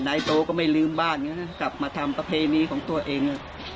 นายโตก็ไม่ลืมบ้านกลับมาทำประเพณีของตัวเอง